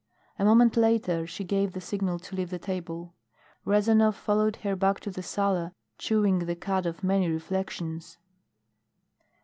A moment later she gave the signal to leave the table. Rezanov followed her back to the sala chewing the cud of many reflections.